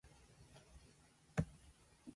地球温暖化